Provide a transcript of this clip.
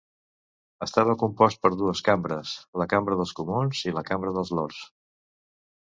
Estava compost per dues cambres: la Cambra dels Comuns i la Cambra dels Lords.